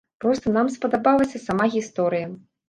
Проста нам спадабалася сама гісторыя.